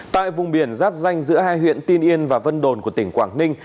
tại vùng biển giáp danh giữa hai huyện tiên yên và vân đồn của tỉnh quảng ninh